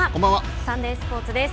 サンデースポーツです。